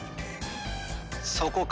そこか。